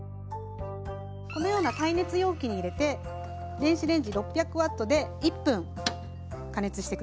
このような耐熱容器に入れて電子レンジ６００Ｗで１分加熱してください。